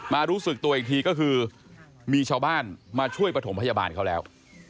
รู้สึกตัวอีกทีก็คือมีชาวบ้านมาช่วยประถมพยาบาลเขาแล้ว